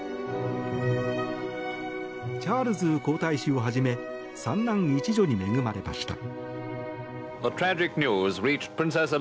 チャールズ皇太子をはじめ３男１女に恵まれました。